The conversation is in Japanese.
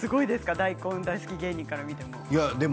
大根大好き芸人から見ても。